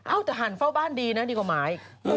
เอ้าทหารเฝ้าบ้านดีนะดีกว่าหมาย